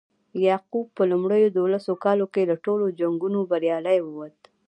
یعقوب په لومړیو دولسو کالو کې له ټولو جنګونو بریالی ووت.